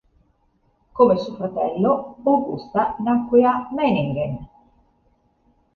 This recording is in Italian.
Come suo fratello, Augusta nacque a Meiningen.